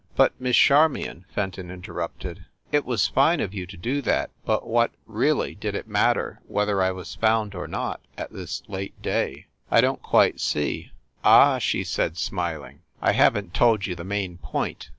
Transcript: "But, Miss Charmion," Fenton interrupted, "it was fine of you to do that; but what, really, did it matter whether I was found or not, at this late day? I don t quite see !" "Ah!" she said, smiling. "I haven t told you the main point.